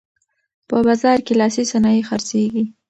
په بازار کې لاسي صنایع خرڅیږي.